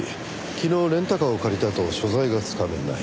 昨日レンタカーを借りたあと所在がつかめない。